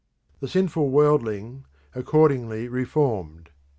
The sinful worldling accordingly reformed.